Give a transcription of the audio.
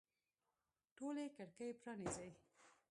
ټولي کړکۍ پرانیزئ